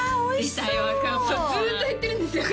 ずっと言ってるんですよ